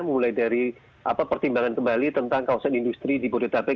mulai dari pertimbangan kembali tentang kawasan industri di bodetabek